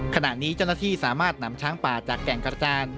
ขณะนี้เจ้าหน้าที่สามารถนำช้างป่าจากแก่งกระจาน